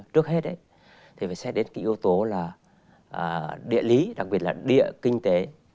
trước hết thì phải xét đến cái yếu tố là địa lý đặc biệt là địa kinh tế